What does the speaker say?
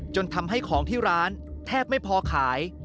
จนทำให้ของที่ร้านแทบไม่พอขาย